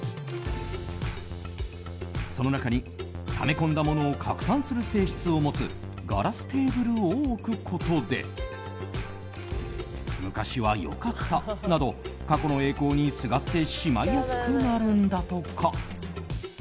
その中に、ため込んだものを拡散する性質を持つガラステーブルを置くことで昔は良かったなど過去の栄光にすがってしまいやすくなるんだとか。